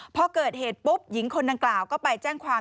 พอเกิดเหตุปุ๊บหญิงคนดังกล่าวก็ไปแจ้งความ